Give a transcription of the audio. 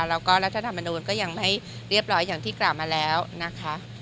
แล้วก็รัฐธรรมนูลก็ยังไม่เรียบร้อยอย่างที่กล่าวมาแล้วนะคะ